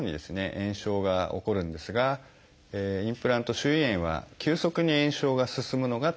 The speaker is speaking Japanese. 炎症が起こるんですがインプラント周囲炎は急速に炎症が進むのが特徴になります。